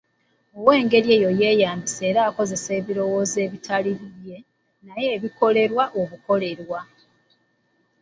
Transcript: Ow'engeri eyo yeyambisa era akozesa ebirowoozo ebitali bibye, naye ebikolerwe obukolerwa.